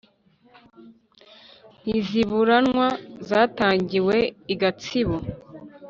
Ntiziburanwa zatangiwe i Gatsibo